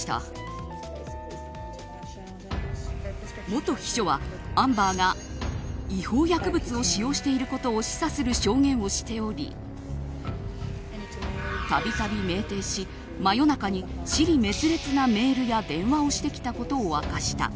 元秘書はアンバーが違法薬物を使用していることを示唆する証言をしており度々酩酊し真夜中に支離滅裂なメールや電話をしてきたことを明かした。